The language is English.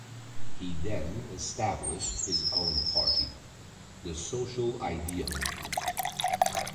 He then established his own party, the Social Idea Movement.